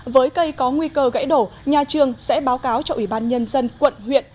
với cây có nguy cơ gãy đổ nhà trường sẽ báo cáo cho ủy ban nhân dân quận huyện